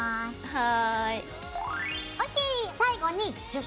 はい。